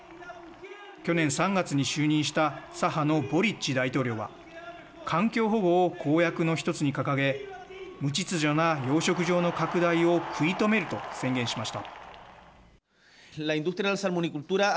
去年３月に就任した左派のボリッチ大統領は環境保護を公約の１つに掲げ無秩序な養殖場の拡大を食い止めると宣言しました。